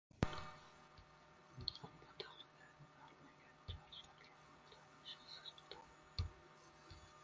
Muhabbat haqida hammaga jar solgan odam — ishqsiz odam.